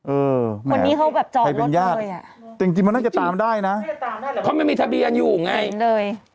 เออแมละใครเป็นญาติแต่จริงมันน่าจะตามได้นะเขาไม่มีทะเบียนอยู่ไงเห็นเลย